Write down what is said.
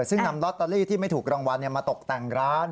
ซึ่งนำลอตเตอรี่ที่ไม่ถูกรางวัลมาตกแต่งร้าน